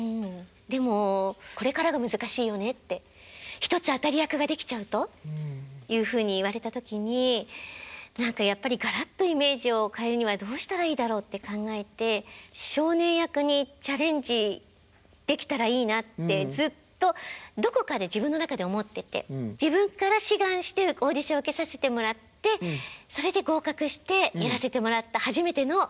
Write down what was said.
「１つ当たり役ができちゃうと」いうふうに言われた時に何かやっぱりガラッとイメージを変えるにはどうしたらいいだろうって考えて少年役にチャレンジできたらいいなってずっとどこかで自分の中で思ってて自分から志願してオーディション受けさせてもらってそれで合格してやらせてもらった初めての少年役。